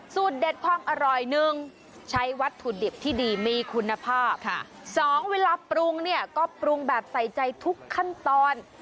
เด็ดความอร่อยหนึ่งใช้วัตถุดิบที่ดีมีคุณภาพ๒เวลาปรุงเนี่ยก็ปรุงแบบใส่ใจทุกขั้นตอน